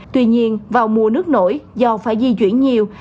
tuy nhiên vào mùa nước nổi do phải di chuyển nhiều